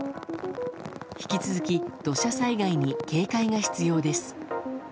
引き続き土砂災害に警戒が必要です。